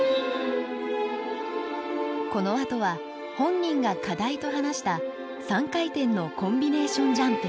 このあとは本人が課題と話した３回転のコンビネーションジャンプ。